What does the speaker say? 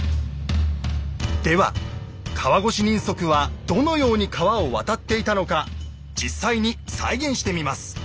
では川越人足はどのように川を渡っていたのか実際に再現してみます。